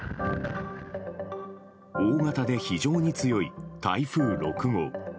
大型で非常に強い台風６号。